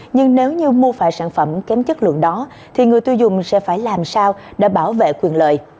nhưng nếu như mua phải sản phẩm kém chất lượng đó thì người tiêu dùng sẽ phải làm sao để bảo vệ quyền lợi